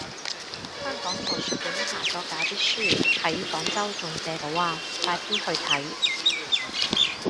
香港圖書館下咗架啲書喺廣州仲借到啊，快啲去睇